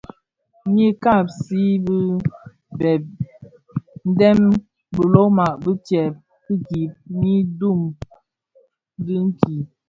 Ňyi kabsi bë bëë dèm bilona bibèè gib nyi tum dhiki.